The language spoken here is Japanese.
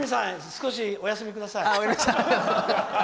少しお休みください。